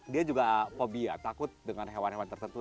dia juga fobia takut dengan hewan hewan tertentu